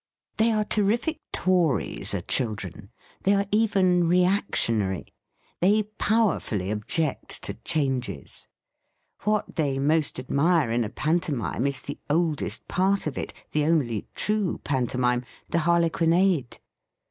They are terrific Tories, are children ; they are even reactionary! They powerfully object to changes. What they most admire in a pantomime is the oldest part of it, the only true pan tomime — the harlequinade!